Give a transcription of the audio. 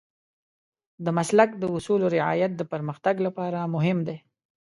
د مسلک د اصولو رعایت د پرمختګ لپاره مهم دی.